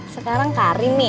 sekarang karin nih